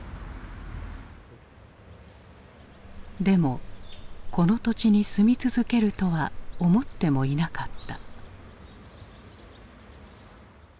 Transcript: でもこの土地に住み続けるとは思ってもいなかった。